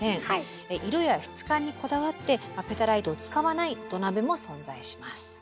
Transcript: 色や質感にこだわってペタライトを使わない土鍋も存在します。